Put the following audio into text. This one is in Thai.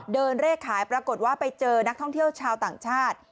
เลขขายปรากฏว่าไปเจอนักท่องเที่ยวชาวต่างชาติ